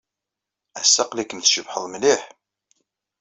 Ass-a, aql-ikem tcebḥed mliḥ.